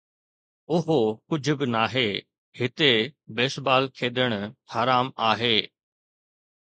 اهو ڪجهه به ناهي، هتي بيس بال کيڏڻ حرام آهي